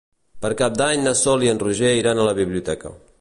Per Cap d'Any na Sol i en Roger iran a la biblioteca.